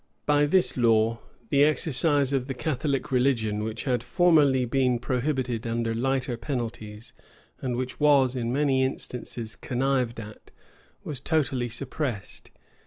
[] By this law, the exercise of the Catholic religion, which had formerly been prohibited under lighter penalties, and which was in many instances connived at, was totally suppressed.